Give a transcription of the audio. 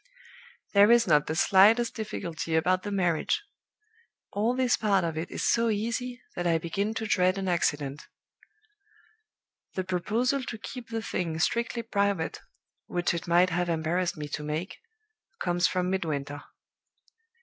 "There is not the slightest difficulty about the marriage. All this part of it is so easy that I begin to dread an accident. "The proposal to keep the thing strictly private which it might have embarrassed me to make comes from Midwinter.